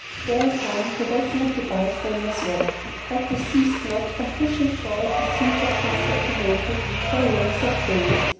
Thereupon the Wazir and the bystanders wept; but they ceased not from pushing forward the siege of Constantinople for a length of days.